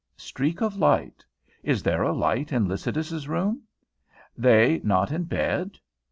"Streak of light" Is there a light in Lycidas's room? They not in bed!